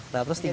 nah terus tiga